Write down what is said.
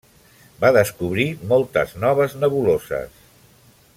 Va descobrir moltes noves nebuloses.